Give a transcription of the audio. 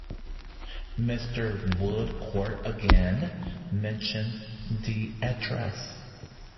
Mr. Woodcourt again mentioned the address.